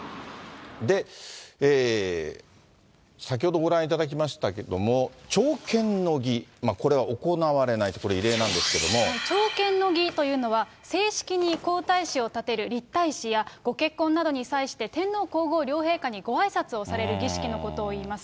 で、先ほどご覧いただきましたけれども、朝見の儀、これは行われないと、朝見の儀というのは、正式に皇太子を立てる立太子や、ご結婚などに際して、天皇皇后両陛下にごあいさつをされる儀式のことをいいます。